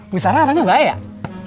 bu sarah orangnya baik ya